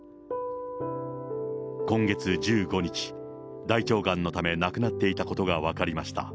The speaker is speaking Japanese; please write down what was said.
今月１５日、大腸がんのため、亡くなっていたことが分かりました。